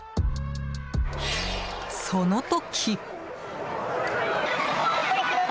その時。